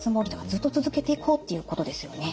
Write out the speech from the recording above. ずっと続けていこうっていうことですよね。